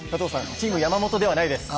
チーム山本ではないです。